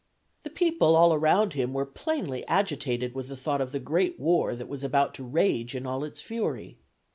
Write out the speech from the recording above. The people all around him were plainly agitated with the thought of the great war that was about to rage in all its fury.